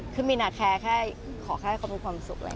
คือมินแคร์แค่ขอให้เขามีความสุข